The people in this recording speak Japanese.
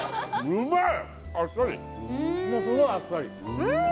うまい！